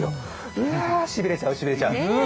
うわー、しびれちゃう、しびれちゃう。